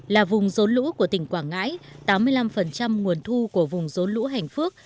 là vùng rốn lũ của tỉnh quảng ngãi tám mươi năm nguồn thu của vùng rốn lũ hành phước